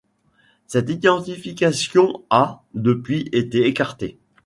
Cette identification a, depuis, été écartée.